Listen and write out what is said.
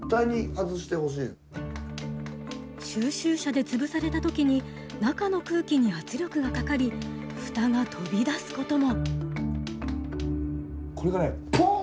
収集車で潰された時に中の空気に圧力がかかり火災につながるごみも。